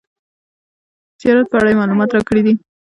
زیارت په اړه یې معلومات راکړي دي.